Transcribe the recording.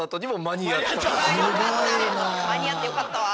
間に合ってよかったわ。